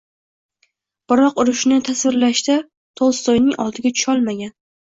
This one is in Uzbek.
Biroq urushni tasvirlashda Tolstoyning oldiga tusholmagan.